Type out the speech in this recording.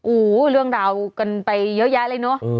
เรื่องราวกันไปเยอะแยะเลยเนอะ